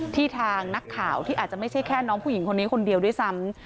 ทางนักข่าวที่อาจจะไม่ใช่แค่น้องผู้หญิงคนนี้คนเดียวด้วยซ้ำ